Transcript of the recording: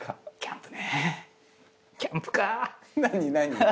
キャンプ場